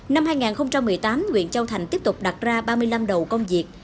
năm hai nghìn một mươi tám nguyễn châu thành tiếp tục đặt ra ba mươi năm đầu công việc